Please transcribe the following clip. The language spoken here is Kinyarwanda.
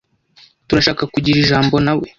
Turashaka kugira ijambo nawe .